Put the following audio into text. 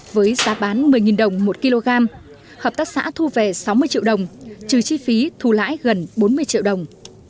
với giá bán một mươi đồng một kg hợp tác xã thu về sáu mươi triệu đồng trừ chi phí thu lãi gần bốn mươi triệu đồng